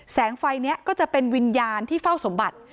แสงไฟนี้ก็จะเป็นวิญญาณที่เฝ้าสมบัติ